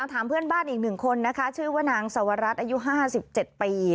ถามเพื่อนบ้านอีก๑คนนะคะชื่อว่านางสวรัสอายุ๕๗ปี